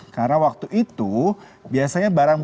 karena waktu itu biasanya barang beli